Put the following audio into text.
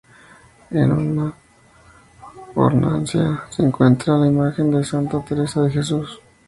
En una hornacina se encuentra la imagen de Santa Teresa de Jesús.